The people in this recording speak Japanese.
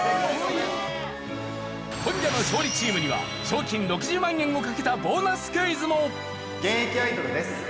今夜の勝利チームには賞金６０万円を懸けたボーナスクイズも。